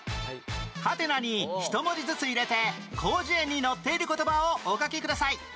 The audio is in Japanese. ハテナに１文字ずつ入れて『広辞苑』に載っている言葉をお書きください